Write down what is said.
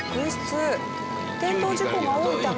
転倒事故が多いため。